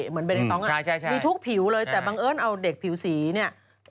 เหมือนเบเนต้องมีทุกผิวเลยแต่บังเอิญเอาเด็กผิวสีเนี่ย